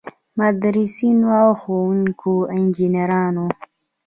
مدرسینو، ښوونکو، انجنیرانو.